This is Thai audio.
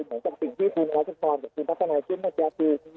เหมือนกับสิ่งที่คุณรักคุณสอนดีอ่ะคุณเศรษฐานักรัชญาติด